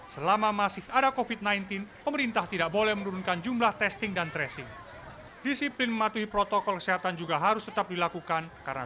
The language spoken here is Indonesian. ketika sudah tidak menjadi syarat ppkm ini agak lebih lambat